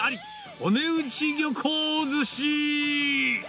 お値打ち漁港寿司。